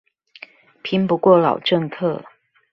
拼不過老政客